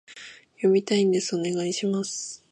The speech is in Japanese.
読みたいんです、お願いします